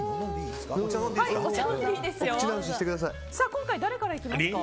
今回、誰からいきますか？